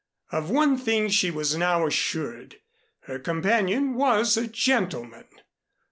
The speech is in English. Of one thing she was now assured her companion was a gentleman.